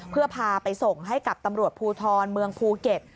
เพื่อพาไปส่งให้กับตำรวจภูทรเมืองภูเก็ต